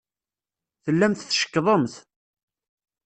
Tellamt tcekkḍemt.